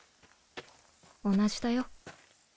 同じだよ。